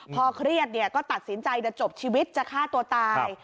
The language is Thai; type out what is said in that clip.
พอเครียดก็ตัดสินใจจะจบชีวิตจะฆ่าตัวตาย